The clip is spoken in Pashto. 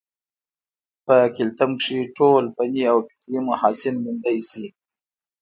پۀ کلتم کښې ټول فني او فکري محاسن موندے شي